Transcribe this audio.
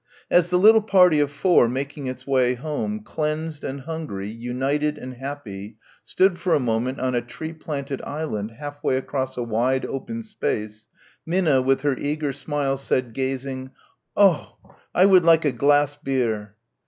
As the little party of four making its way home, cleansed and hungry, united and happy, stood for a moment on a tree planted island half way across a wide open space, Minna with her eager smile said, gazing, "Oh, I would like a glass Bier."